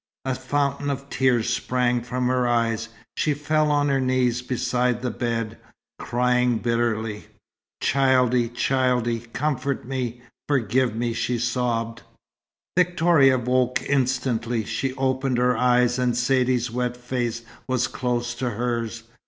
A fountain of tears sprang from her eyes. She fell on her knees beside the bed, crying bitterly. "Childie, childie, comfort me, forgive me!" she sobbed. Victoria woke instantly. She opened her eyes, and Saidee's wet face was close to hers.